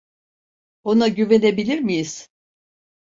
Ona güvenebilir miyiz?